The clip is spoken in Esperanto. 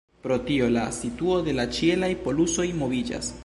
Pro tio la situo de la ĉielaj polusoj moviĝas.